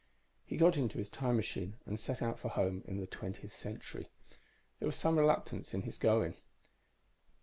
_ _He got into his time machine and set out for home in the twentieth century. There was some reluctance in his going.